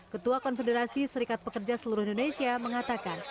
ketua konfederasi serikat pekerja seluruh indonesia mengatakan